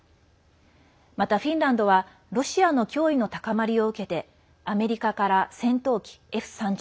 またフィンランドはロシアの脅威の高まりを受けてアメリカから戦闘機Ｆ３５